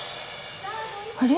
あれ？